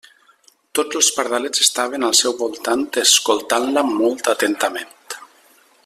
Tots els pardalets estaven al seu voltant escoltant-la molt atentament.